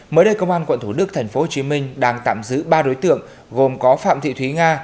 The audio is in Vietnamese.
mới đây công an quận thủ đức tp hcm đang tạm giữ ba đối tượng gồm có phạm thị thúy nga